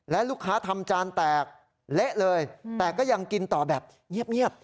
และลูกค้าทำจานแตกเละเลยแต่ก็ยังกินต่อแบบเงียบ